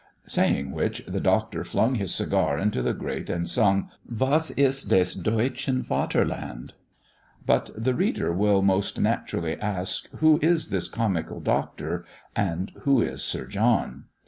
saying which, the doctor flung his cigar into the grate, and sung, "Was ist des Deutschen Vaterland?" But the reader will most naturally ask, Who is this comical doctor, and who is Sir John?